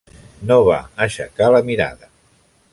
No va aixecar la mirada.